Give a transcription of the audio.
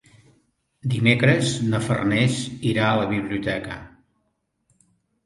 Dimecres na Farners irà a la biblioteca.